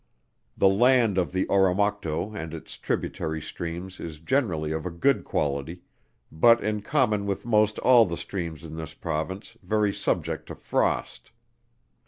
The land on the Oromocto and its tributary streams is generally of a good quality, but in common with most all the streams in this Province very subject to frost.